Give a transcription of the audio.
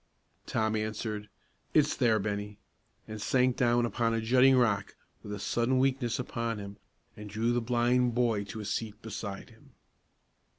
Tom answered: "It's there, Bennie," and sank down upon a jutting rock, with a sudden weakness upon him, and drew the blind boy to a seat beside him.